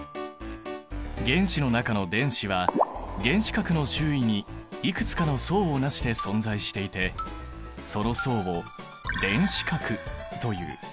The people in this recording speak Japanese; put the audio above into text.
原子の中の電子は原子核の周囲にいくつかの層をなして存在していてその層を電子殻という。